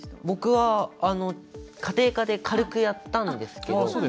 僕は家庭科で軽くやったんですけど。